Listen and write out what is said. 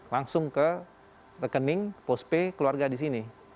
langsung ke rekening postpay keluarga di sini